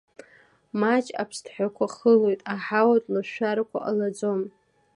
Маҷк аԥсҭҳәақәа хылоит, аҳауатә лышәшәарақәа ҟалаӡом.